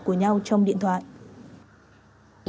của nhau trong điện thoại